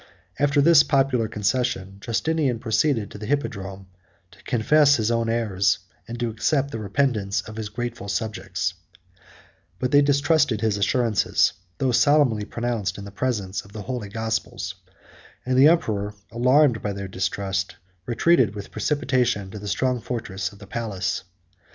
After this popular concession, Justinian proceeded to the hippodrome to confess his own errors, and to accept the repentance of his grateful subjects; but they distrusted his assurances, though solemnly pronounced in the presence of the holy Gospels; and the emperor, alarmed by their distrust, retreated with precipitation to the strong fortress of the palace.